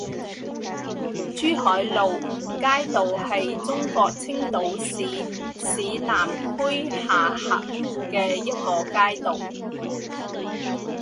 珠海路街道是中国青岛市市南区下辖的一个街道。